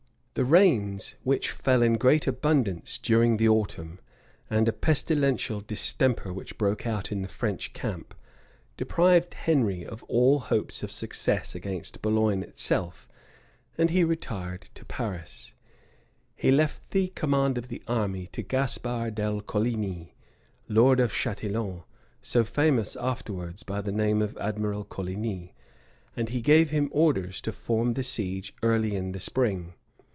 The rains, which fell in great abundance during the autumn, and a pestilential distemper which broke out in the French camp, deprived Henry of all hopes of success against Boulogne itself; and he retired to Paris.[] He left the command of the army to Gaspar de Coligny, lord of Chatillon, so famous afterwards by the name of Admiral Coligny; and he gave him orders to form the siege early in the spring.